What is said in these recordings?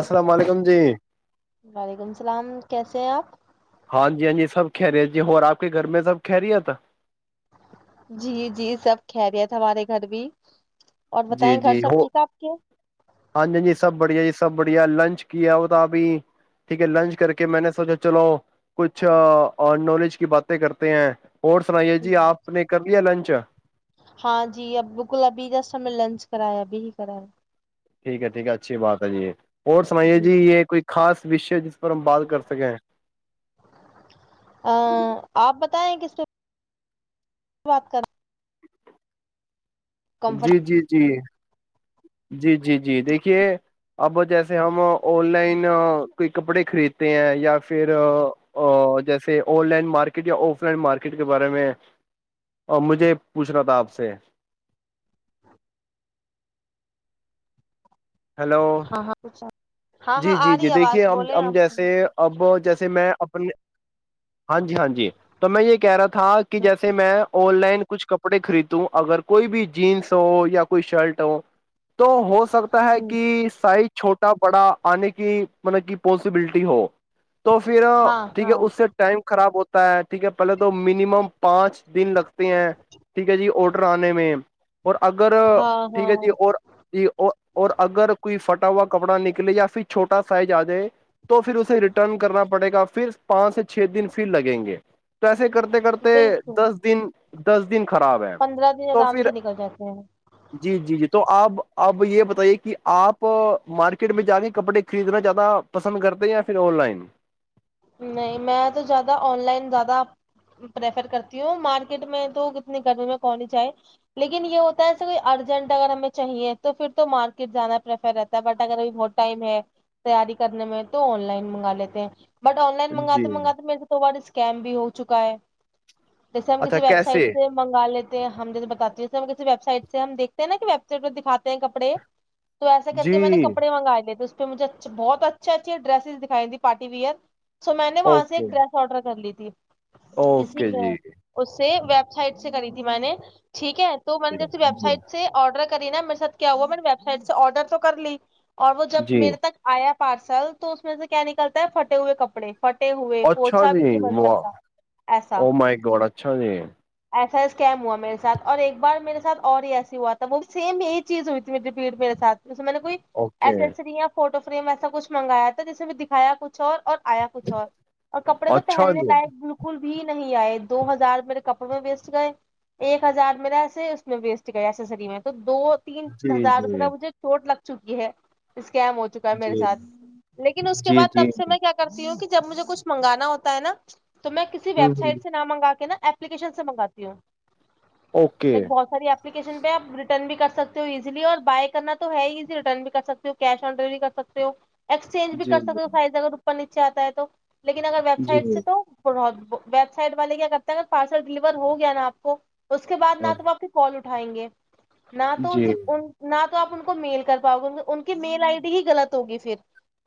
السلام علیکم جی وعلیکم السلام کیسے کسی ہے آپ ہاں جی ہاں جی سب کہہ رہے ہیں جی اور اکے گھر میں سب خیریت جی جی سب خیریت ہمارے گھر بھی اور جی بتائیں گھر جی سب ہو ٹھیک آپ کے ہے ہاں جی ہاں جی سب بڑھیا جی سب بڑھیا لنچ کیا ہو تھا ابھی ٹھیک ہے لنچ کر کے میں نے سوچا چلو کچھ نالج کی باتیں کرتے ہیں اور سنائیے جی آپ نے کر لیا لنچ ہاں جی اب بالکل ابھی رس س میں لنچ کرایا ابھی ہی کرایا ٹھیک ہے ٹھیک ہے اچھی بات ہے ج یہ [inaudible] اور سنائیے جی یہ کوئی خاص وشو ج [unintelligible] ا آپ ب [unintelligible] پتا ہے کس [unintelligible] بات کر کمفرٹ جی جی جی [unintelligible] جی جی جی دیکھیے اب جیسے ہم آن لائن کوئی کپڑے خریدتے ہیں یا پھر جیسے آن لائن مارکیٹ یا آف لائن مارکیٹ کے بارے میں مجھے پوچھنا تھا آپ سے ہیلو ہاں ہاں ہاں ہاں جی آ جی رہی جی ہے دیکھیے آواز ہم بولیں ہم آپ جیسے بولیں۔ اب جیسے ج میں اپنے ہاں جی ہاں جی تو میں یہ کہہ رہا تھا کہ جیسے میں آن لائن کچھ کپڑے خریدتاوں اگر کوئی بھی جینس ہو یا کوئی شرٹ ہو تو ہو سکتا [inaudible] ہوں، کہ سائ چھوٹ پڑا آنے کی مطلب کی پوسبلٹی ہو تو پھر ہاں ٹھیک ہے ہاں اس سے ٹائم خراب ہوتا پ [unintelligible] ٹھیک ہے پہلے تو منیمم پانچ دن لگتے ہیں ٹھیک ہے جی آڈر آنے میں اور اگر ہاں ٹھیک ہے ہاں جی اور جی اور اگر کوئی فھٹا ہوا کپڑا نکلے یا پھر چھوٹا سائز آ جائے تو پھر اسے ریٹرن کرنا پڑے گا پھر پانچ سے چھ دن پھر لگیں گے تو ایسے کرتے کرتے بالکل دس دن دس دن خراب ہے پندرہ دن تو آرام پھر سے نکل جاتے ہیں جی جی جی تو آپ اب یہ پتا یہ کہ آپ مارکیٹ میں جا کے کپڑے خریدنا زیادہ پسند کرتے یا پھر آن لائن نہیں میں تو زیادہ آن لائن زیادہ پریفر کرتی ہوں مار مارکیٹ میں تو کتنی گرمی میں کہنی جائے لیکن یہ ہوتا ہے ایسے کو ارجنٹ اگر ہمیں چاہیے تو پھر تو مارکیٹ جانا پریفر رہتا ہے بٹ اگر بہت ٹائم ہے تیاری کرنے میں تو آن لائن منگا لیتے ہیں بٹ آن لائن منگا جی مگاتے م تو کیم بھی ہو چکا ہے جیے ہم اچھا کسی ویب سائٹ کیسے سے منگا لیتے [unintelligible] ہم جیسے بتات ہیں ہم کسی ویب سائٹ سے ہم دیکتے ہیں نا کہ ویب سائٹہ دکھاتے ہیں کپڑے تو ایسا کر جی کے میں نے کپڑے منگا لیے پ مجھے ا بہت اچھے اچھے ڈریس دکھائی دییں پارٹی ویئر سو میں نے وہاں سے اوکے ایک ڈریس آرڈر کر لی تھی [unintelligible] کسی اوکے اہ، جی اس ویب سائٹ سے کری تھی میں نے ٹھیک ہے تو میں جی نے جیے ویب جی سائٹ سے آرڈر کری نا میرے ساتھ کیا ہوا میں نے ویب سائٹ سے آرڈر تو کر لی اور وہ جب جی میرے تک آیا پارسل تو اس میں سے کیا نکلتا ہے پھٹے ہوئے کپڑے [unintelligible] پھٹے ہوئے اچھا پوچھا بھی جی نہیں بن سکتا واہ ایسا او مائی گاڈ اچھا جی ایسا کیم ہوا میرے سھ اور ایک بار میرے ھ اور ہی ایس ہی ہوا تھا وہ بھییم یہی چیز ہوئی تھی میریپیٹ میرے سھ ج مطلب کوئی اوکے ایسسرییا فوٹو فریم ایسا کچھنگایا تھا جسے بھی دکھایا کچ اور آیا کچھ اور اور کپڑے تو اچھا پہننے جی لائق بالکل بھی نہیں آئے دو ہزار میرے کپڑوں میں ویسٹ گئے ایک ہزار میرا ایسے اس میں ویسٹ گئے ایسسری میں تو دو تین جی ہزار روپے کا جی مجھے چوٹ لگتا چکی ہے اس کیم ہو چکا ہے میرے جی ساتھ لیکن اس کے جی بعد جی تب سے میں کیا کہ جب مجھے کچھ منگانا ہوتا ہے نا تو میں کسی ہ ویب ہ سائٹ سے نام منگا کے نا اپلیکیشن سے منگاتی ہوں اوکے لک بہت ساری اپلیکیشن پہ آپ ریٹرن بھی کر سکتے ہو ایزیلی اور بائی کرنا تو ہے ہیزی ریٹرن بھی کر سکتے ہو کیش آن ڈیلیوری کر سکتے ہو ایکسچینج بھی جی کر سکتے ہو فائدہ اگر نچے آتا ہے تو لیکن اگر ویب جی سائٹ جی سے تو ویب سائٹ والے کیا کرتے ہے اگر پارسل ڈلیور ہو گیا نا آپ کو اس کے بد نہ تو وہ آپ کی کال اٹھ اٹھائیں گے نہ تو ان جی کے ان نہ تو تو آپ ان کو میل کر پاؤ گے ان کی میل آئی ڈی ہی غط ہوگی پھر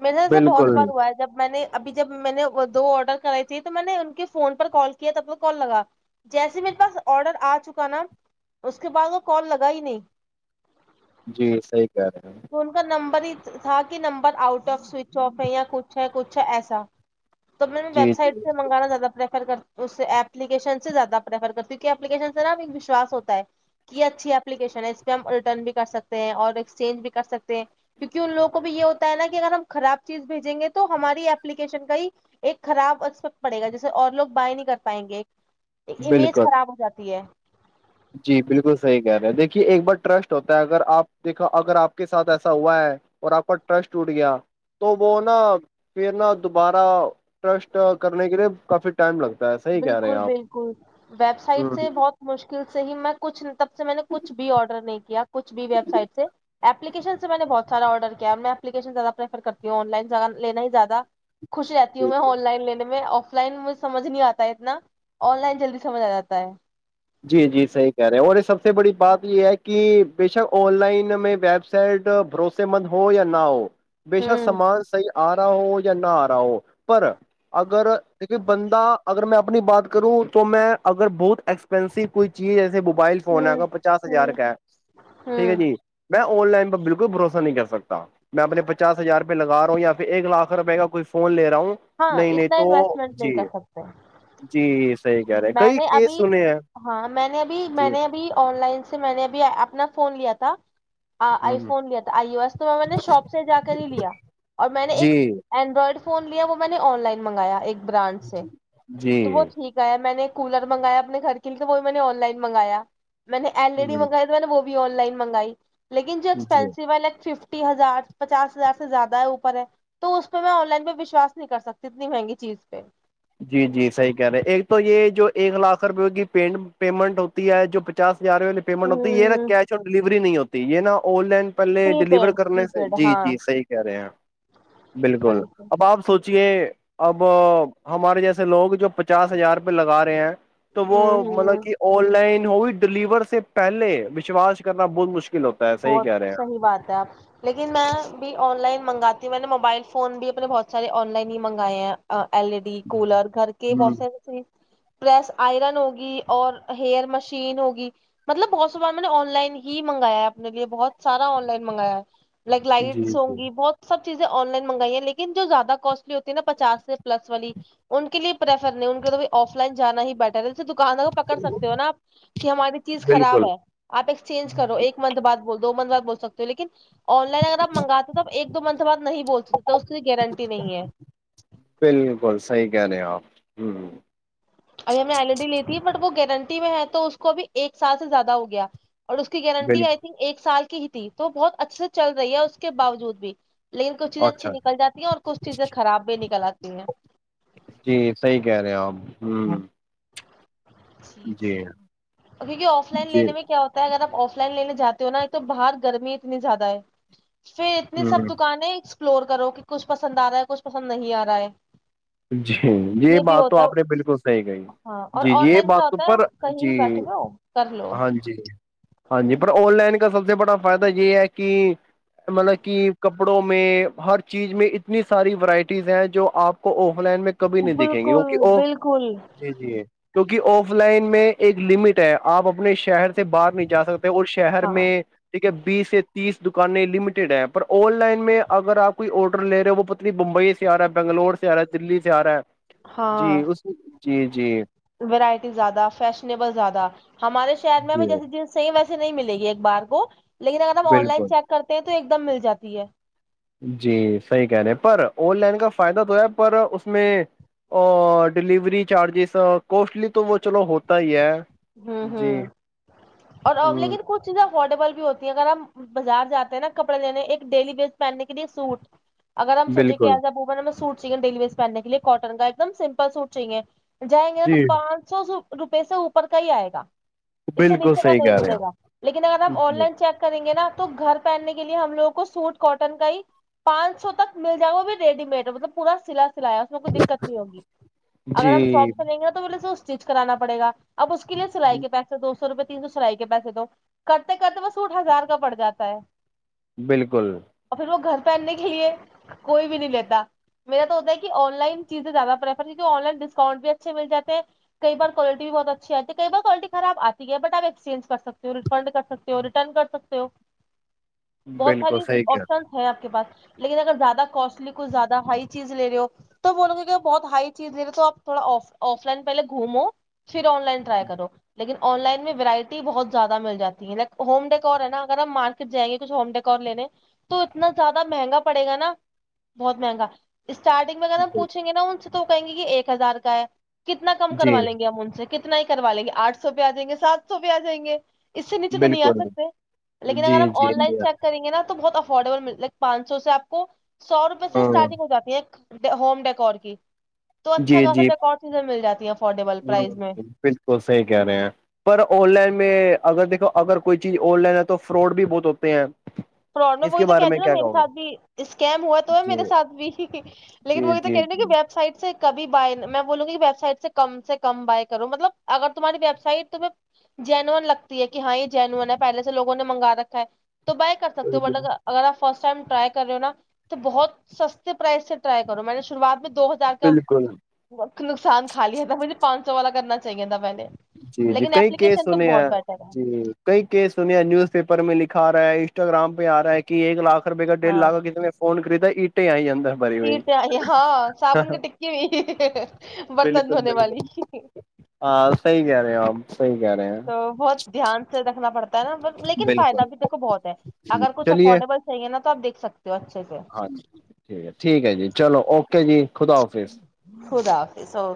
میرا ایسا بہت بالکل بار ہوا ہے میں نے ابھی جب میں نے وہ دو آڈر کرائی تے تو میں نے ان کے فون پر کال کیا تب تو کال لگا جیسے میرے پاس آڈر آ چکا نا اس کے بعد وہ کال لگا ہی نہیں جی صحی کہہ رہے ہیں تو ان کا نمبر ہی تھا کہ number out of switch off ہے یا کچھ چھ کچھ ایسا تو میں جی ویب سائٹ جی سے منگانا زیادہ پریفر کرتا اس اپلیکشن سے زیادہ پریفر کرتے کہ اپیکیشن سے نا ایک وشوس ہوتا ہے کہ یہ اچھی اپلیکیشن ہے اس پہ ہم ریٹرن بھی کر سکتے ہیں اور ایکسچینج بھی کر سکتے ہیں کیونکہ ان لوگ کو بھی یہ ہوتا ہے نا کہ اگر ہم خراب چیز بھیجیں گے تو تو ہماری ایلیکیشن کا ہی ایک خراب اپیکٹ پڑے گا جیسے اور لوگ بائی نہیں کر پائیں گے ایک امیج بالکل خراب ہو جاتی ہے جی بالکل صحیح کہہ رہے ہیں دیکھیے ایک بار ٹرسٹ ہوتا ہے اگر آپ دیکھو اگر آپ کے ساتھ ایسا ہوا ہے اور آپ کا ٹرسٹ ٹوٹ گیا تو وہ نا پھر نا دوبارہ ٹرسٹ کرنے کے لیے کافی ٹائم لگ بالکل بالکل ویب ہوں سائٹ سے بہت مشکل صحی میں کچھ تب سے میں نے کچھ بھی آرڈر نہیں کیا کچ بھی ویب سائٹ سے اپپلیکشن سے میں نے بہت سارا آرڈر کیا ہے میں اپلیکشن زیادہ پریفر کرتی ہوں آن لائن لینا ہی زیادہ خوش رہتی ہ ہوں میں آن لائن لینے میں لائن مج سمج نہیں آتی اتنا آن لائن جلدی سمجھ آ جاتا ہے جی جی صحیح کہہ رہے اور یہ سب سے بڑی بات یہ ہے کہ بےشک آن لائن میں ویب سائٹ بھروسے مند ہو یا نہ ہو بشات ہوں سامان صحیح آ رہا ہو یا نہ آ رہا ہو پر اگر دیکھیے بندہ اگر میں اپنی بات کروں تو میں اگر بہت ایکس ین کوئی چیز ایے موبائل فون ہوں ہےا پچاس ہزار ہوں کا ہے ٹھیک ہے ہوں جی میں آن لائن بالکل بھرسا نہیں کر سک میں اپنے پچاس ہزار لگ رہ ہ ہو یا پھر ایک لاکھ روپئے کا کوئی فون لےا ہوں ہاں نہیں نہیں اتنا تو انویسٹمنٹ نہیں جی کر سکتے جی صحیح کہہ رہے میں کئی نے کیس ابھی سنے ہیں ہاں میں نے ابھی میں جی نے ابھی آن لائن سے میں نے ابھی اپنا فون لیا تھا آ ہ آئی فون لیا تھا آئی بس تو میں میں نے شاپ سے جا کر ہی لیا اور میں نے جی ایک اینڈرائڈ فون فون لیا [unintelligible] میں نے آن لائن منگا ایک برانڈ سے جی تو وہ ٹھیک ہے ہے میں نے کولر منگایا اپنے گھر کے لیے تو وہ میں نے آن لائن منگایا میں نے ایل ای ڈی مگائی تو میں نے بھی آن لائن منگائی لیکن جو جی ایکسپینسو ہے لائ ففٹی ہزار پچاس ہزار سے زیادہ ہے اوپر ہے تو اس پہ میں آن لائن پہ وشواس نہیں کر سکتی اتنی مہنگی چیز پہ جی جی صحیح کہہ رہے ایک تو یہ جو ایک لاکھ روپے کی پیمنٹ ہوتی ہے جو پچاس یار وال ہ پیمنٹ ہوتی ہے یہا ہ کیش آن ڈلیوری نہیں ہوتی تو یہ نا آن لائن پہلے پری ڈیلیور پیڈ کرنے پری سے پیڈ جی ہاں جی صحیح کہہ رہے ہیں بالکل اب آپ سوچیے اب [unintelligible] ہمارے جیسے لوگ جو پچاس ہزار روپ لگا رہے ہیں تو وہ ہوں مطلب ہوں کہ آن لائن [unintelligible] ہوئی ڈیلیور سے پہلے وشواس کرنا بہت مشکل ہوتا ہے صحیح بہت کہہ رہے ہیں صحیح بات ہے آپ لیکن میں بھی آن لائن منگاتی میں نے موبائل فون بھی اپنے بہت سارے آن لائن ہی مگائے ہیں ایل ای ڈی کولر گھر کے ہ بہت سارےے پریس آئرن ہوگی اور ہیئر مشین ہوگی مطلب بہت س بار میں نے آن لائن ہی منگایا اپ لیے بہت سارا آن لائن منگایا ہے لائک جی لائٹس جی ہوں گی بہت س چیزیں آن لائن منگائی ہیں لیکن جو زیادہ کوسٹلی ہوتی ہے نا پچا سے پلس والی ان کے لیے پریفر نہیں ان کو تو آف لائن جانا ہی بیٹر ہے دکان کو پکڑ سکتے ہو نا آپ کہ ہماری چیز خراب بالکل ہے آپ ایکسچینج کرو ایک مند بات بول دو منت بات بول سکتے ہو لیکن آن لائن اگر آپ منگاتے تو آ ایک دو منتھ بعد نہیں بول سکتے تو اس کی گارنٹی نہیں ہے کیانے آپ ہ [unintelligible] ابھی ہم نے ایل ای ڈی لی ت ہے بٹ وہ گارنٹی میں ہے تو اس کو ابھی ایک سال سے زیادہ ہو گیا اور اس کی گارنٹی بالکل آئی تھنک ایک سال کی کی تھی تو بہت اچھے سے چل رہی ہے اس کے باوجود بھی لیکن کچھ چیزیں اچھی اچھا نکل جاتی ہیں اور کچھ چیزیں خراب بھی نکل آتی ہیں جی صحیح کہہ رہے ہیں آپ ہوں جی جی کیونکہ آف لائن جی لینے میں کیا ہوتا ہے اگر آپ آف لائن لینے جاتے ہو نا ایک تو باہر گرمی اتنی زیادہ ہے پھر اتنی سب ہ دکانیں سپلور کرو کہ کچھ پسند آ رہا ہے کچھ پسند نہیں آ رہا ہے جی یہ بھی بات تو ہوتا آپ ہے نے بالکل صحیح کہی ہاں اور جی آن یہ لائن کیا بات ہوتا ہے پر آپ کہیں بھی جی بیٹھے ہو کر لو ہاں جی ہاں جی پر آن لائن کا سب سے بڑا فائدہ یہ ہے کہ مطلب کہ کپڑوں میں ہر چیز میں اتنی ساری ورائٹیز ہیں جو آپ کوکو آف لائن میں کبھی نہیں دکھیں گے بالکل کی بالکل جی جی کیونکہ آف لائن میں ایک لمٹ ہے آپ اپنے شہر سے باہر نہیں جا سکتے اور شہر ہاں میں ٹیک بیس سے تیس دکانیں لمٹڈ ہیں پر آن لائن میں اگر آپ کوئی آڈر لے رہے ہو وہ پتا ممبئی سے آ رہا بنگلور سے سارا دلی سے آارا ہے ہاں اس جی جی وورائٹی زیادہ فیشنیبل زیادہ ہمارے شہر میں جی جیسے د صحی ویے سے نہیں ملے گی ایک بار کو لیکن اگر ہم آن لائن بالکل چیک کرتے تو تو ایک دم مل جاتی ہے جی صحیح کہہ رہے ہیں پر آن لائن کا فائدہ تو ہے پر اس میں ڈیلیوری چارجز کوسٹلی تو وہ چلو ہوتا ہی ہے ہوں جی ہوں اور اور ہ لیکن کچھ چز افورڈیبل بھی ہوتی ہے اگر ہم بازار جاتے ہیں نا کپڑے لینے ایک ڈیلی بیس پہننے کے لیے سوٹ اگر ہم سچے بالکل ایز ا و ہم سٹ چاہ ڈیلی ویز پہننے کےےٹن کا ایک دم سمپل سوٹ چاہیے جائیں گے ن تو جی پانچ سو سو روپی سے پر کا ہی آئے گا اس سے بالکل نیچے کا صحیح نہیں کہہ رہے ملے گا لیکن اگر ہیں ہم جی آن لائن چیک کریں گے نا تو گھر پہننے کے لیے ہم لووں کو سوٹ کاٹن کا ہی پانچ سو تک مل جائے گا وہ بھی ریڈی مڈ مطلب پورا سلا س اس میں کوئی دت نہیں ہوگی اگر ہم شاپ جی سے لیں گے توول اسٹچ کرانا پڑے گا اب اس کے لیے سلائی کے پیک سے دو سو روپے تین سو سرائی کے پیسے تو کرتے کرتے وہ سوٹ ہزار کا پڑ جاتا ہے بالکل اور پھر وہ گھر پہننے کے لیے کوئی بھی نہیں لیتا میرا تو ہوتا ہے کہ آن لائن چیزیں زیادہ پریفر کیک آن لائن ڈسکاؤنٹ بھی اچھے مل جے ہیں کئیار کوالٹی بھی بہت اچ اچھا تو کئی بار کوالٹی خراب آتی ہے بٹ آپ ایکسچینج کر سکتے ہو ریفنڈ کر سکتے ہو ریٹرن کر سکتے ہو بہت ساری بالکل صحیح کیا آپشنس ہیں آپ کے پاس لیکن اگر زیادہ کوسٹلی کچھ زیادہ ہائی چیز لے رہے ہو تو بولوے کہ بہت ہائی چیز لے رہے ہو تو آپ تھوڑا آف لائن پہلے گھومو پھر رائی کرو لیکن آن لائن میں ورائٹی بہت زیادہ مل جاتی ہے لائ ہوم ڈیکور ہے نا اگر ہم مارکیٹ جائیں گے کچھ ہوم ڈیکور لینے تو اتنا زیادہ مہنگا پڑے گا نا بہت مہنگا اسٹارٹنگ میں کم پوچھیں گے نا تو کہیں گے کہ ایک ہزار کا ہے کتنا کم جی کروا لیں گے ہم ان سے کتنا ہی کروا لیں گے آٹھ سو پہ آ جائیں گے سات سو پہ آ جائیں گے اس سے نیچے تو نہیں آ بالکل سکتے لیکن جی اگر ہم جی آن لائن چیک کریں گے نا تو تو بہت افورڈیبل مل پانچ سو سے آپ کو سو روپے سے ہاں اسٹارٹنگ ہو جاتی ہے ہوم ڈیکور کی تو اچھا جی کہاسی جی ڈیکور چیزیں مل جاتی ہیں افورڈیبل پرائز میں بالکل صحیح کہہ رہے ہیں پر آن لائن میں اگر دیکھو اگر کوئی چیز آن لائن ہے تو فراڈ بھی بہت ہوتے ہیں فراڈ اس وہی کے تو کہہ بارے رہے میں ہیں نا کیا میرے کہو گے ساتھ بھی اسکیم ہوا تو ہے جی میرے ساتھ بھی لیکن جی وہی تو کہہ رہے جی ہیں نا کہ جی ویب سائٹ سے کبھی بائے میں بولوں گی ویب سائٹ سے کم سے کم بائے کروں مطلب اگر تمہاری ویب سائٹ تمییں جینون لگتی ہے کہ ہاں یہ جینون ہے پہلے سے لوگوں نے منگا رکھا ہے تو بائی سکتے بالکل ہو بٹ اگر آپ فرسٹ ٹائم ٹرائی کر رہے ہو نا تو بہت سستے پرائز سے ٹرائی کرو میں نے شروعات میں دو ہزار کا بالکل وت نقصان خای ہے تھا مجھے پانچ سو والا کرنا چاہیے تھا پہلے جی جی لیکن کئی کیس اپلیکیشن تو سنے بہت ہیں بیٹر ہے جی کئی کیس سنے ہیں نیوز پیپر میں لکھا ہے انسٹاگرام پہ آ رہا ہے کہ ایک لاکھ رپے گ ڈیھ لاکھ کسی میں فون خرید اینٹ ائی اندر بھری ہوئی تیرتے آئی ہاں صابن کی ٹکی ہو برتن بالکل دھونے بالکل والی ہاں صحیح کہہ رہے ہو آپ صحیح کہہ رہے ہیں تو بہت دھیان سے رکھنا پڑتا نا لیکن فائدہ بھی بالکل دیکو بہت ہے اگر کچھ چلیے افورڈیبل چاہیے نا تو آپ دیکھے سک ہاں جی ٹھیک ہے ٹھیک ہے جی چلو اوکے جی خدا حافظ خدا حافظ اور